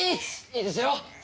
１いいですよ。